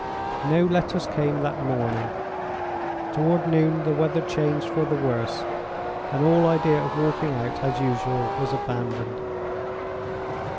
No letters came that morning. Toward noon the weather changed for the worse, and all idea of walking out as usual was abandoned.